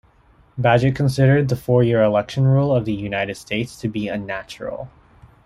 Bagehot considered the four-year election rule of the United States to be unnatural.